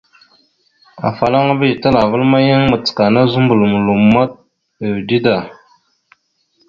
Afalaŋa mbiyez talaval ma, yan macəkana zuməɓlom loma, ʉde da.